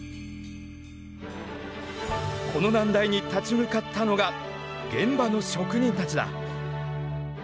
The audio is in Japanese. この難題に立ち向かったのが現場の職人たちだ。